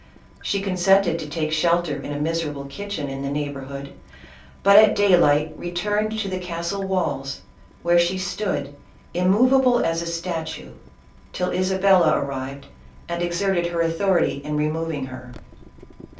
She consented to take shelter in a miserable kitchen, in the neighborhood, but, at day light, returned to the castle walls, where she stood im movable as a statue, till Isabella arrived, and exerted _l 134 ISABELLA OF CASTILE. her authority in removing her.